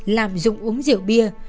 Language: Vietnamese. làm dụng uống rượu bia